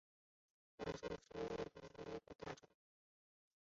菲白竹为禾本科大明竹属下的一个种。